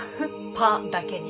「パ」だけに？